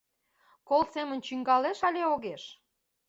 Кол семын чӱҥгалеш але огеш?